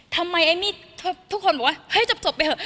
ทำไมเอมมี่ทุกคนบอกว่าเฮ้ยจบไปเหอะ